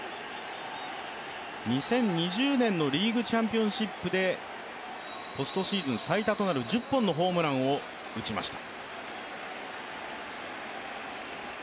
２０２０年のリーグチャンピオンシップでポストシーズン最多となる１０本のホームランを打ちました。